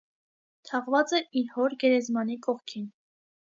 Թաղված է իր հոր գերեզմանի կողքին։